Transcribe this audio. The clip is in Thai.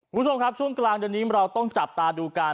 คุณผู้ชมครับช่วงกลางเดือนนี้เราต้องจับตาดูกัน